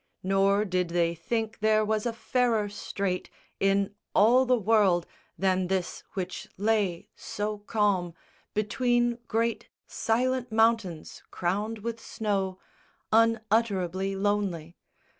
Nor did they think there, was a fairer strait In all the world than this which lay so calm Between great silent mountains crowned with snow, Unutterably lonely.